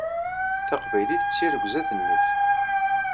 Taqbaylit d tirrugza d nnif.